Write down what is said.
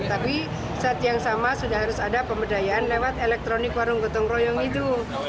tapi saat yang sama sudah harus ada pemberdayaan lewat elektronik warung gotong royong itu